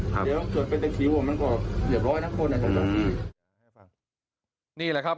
ครับเดี๋ยวส่วนเป็นตัวชีวิตมันก็เหลียบร้อยทั้งคนอื้อนี่แหละครับ